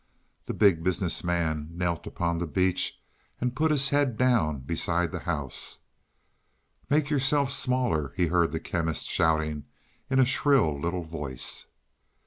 The Big Business Man knelt upon the beach and put his head down beside the house. "Make yourselves smaller," he heard the Chemist shouting in a shrill little voice.